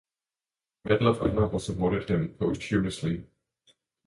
The Medal of Honor was awarded him posthumously.